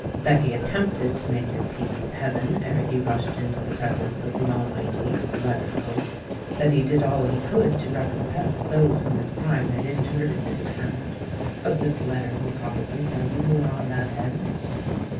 That he attempted to make his peace with heaven ere he rushed into the presence of the Almighty, let us hope:—that he did all he could to recompense those whom his crime had injured, is apparent. But this letter will probably tell you more on that head."